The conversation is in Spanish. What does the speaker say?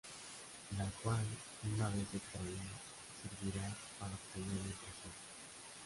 La cual, una vez extraída, servirá para obtener la impresión.